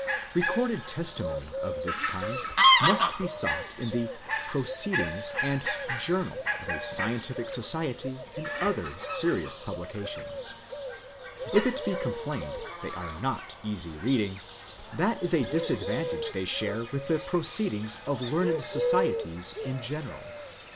Recorded testimony of this kind must be sought in the Proceedings and Journal of a scientific society and other serious publications. If it be complained they are not easy reading, that is a disadvantage they share with the Proceed ings of learned societies in general.